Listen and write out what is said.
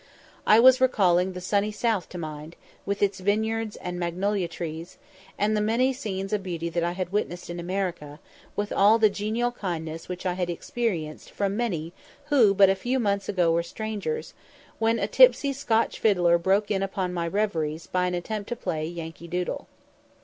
I was recalling the sunny south to mind, with its vineyards and magnolia groves, and the many scenes of beauty that I had witnessed in America, with all the genial kindness which I had experienced from many who but a few months ago were strangers, when a tipsy Scotch fiddler broke in upon my reveries by an attempt to play 'Yankee Doodle.'